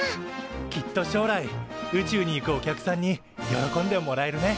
きっと将来宇宙に行くお客さんに喜んでもらえるね。